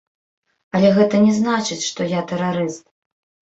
Але гэта не значыць, што я тэрарыст.